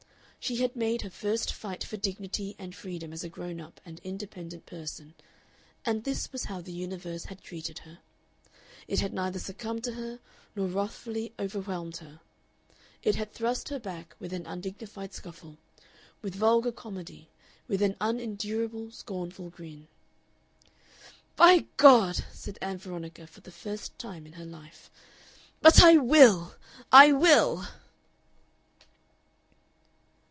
She had made her first fight for dignity and freedom as a grown up and independent Person, and this was how the universe had treated her. It had neither succumbed to her nor wrathfully overwhelmed her. It had thrust her back with an undignified scuffle, with vulgar comedy, with an unendurable, scornful grin. "By God!" said Ann Veronica for the first time in her life. "But I will! I will!"